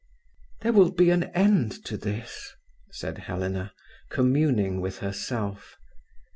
"There will be an end to this," said Helena, communing with herself.